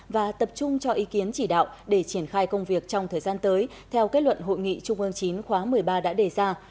và tập trung cho ý kiến chỉ đạo để triển khai công việc trong thời gian tới theo kết luận hội nghị trung ương chín khóa một mươi ba đã đề ra